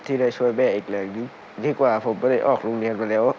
ที่ได้ช่วยแม่อีกเลยดีกว่าผมก็ได้ออกโรงเรียนไปแล้ว